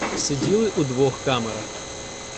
Сиділи у двох камерах.